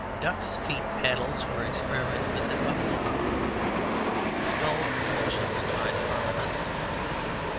Duck's feet paddles were experimented with at Buffalo. A scull propulsion was tried upon the Hudson.